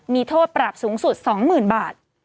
มีโทษปราบสูงสุด๒หมื่นบาท